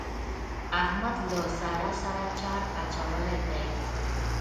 احمد له سارا سره چار اچولی دی.